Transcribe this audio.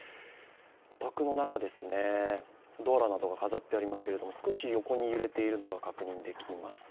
お宅の中ですね、ドアラなどが飾ってありますけど少し横に揺れているのが確認されます。